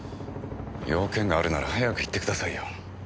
用件があるなら早く言ってくださいよ。